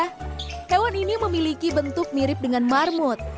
nah hewan ini memiliki bentuk mirip dengan marmut